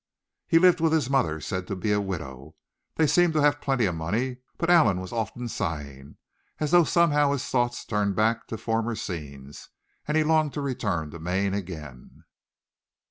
He lived with his mother, said to be a widow. They seemed to have plenty of money; but Allan was often sighing, as though somehow his thoughts turned back to former scenes, and he longed to return to Maine again.